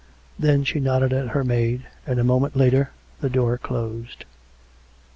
Then she nodded at her maid; and a moment later the door closed.